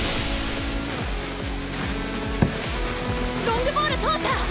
ロングボール通った！